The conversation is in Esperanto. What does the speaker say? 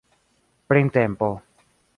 printempo